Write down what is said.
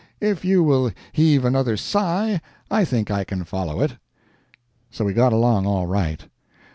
If you will heave another sigh, I think I can follow it." So we got along all right.